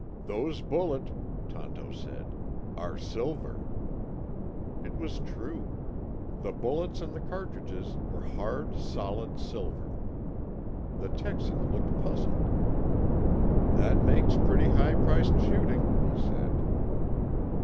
"Those bullet," Tonto said, "are silver." It was true. The bullets in the cartridges were hard, solid silver. The Texan looked puzzled. "That makes pretty high priced shooting," he said.